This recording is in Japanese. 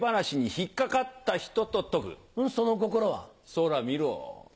そら見ろ。